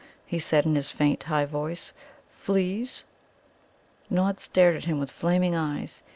he said in his faint, high voice. "Fleas?" Nod stared at him with flaming eyes.